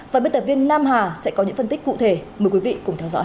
và biên tập viên nam hà sẽ có những phân tích cụ thể mời quý vị cùng theo dõi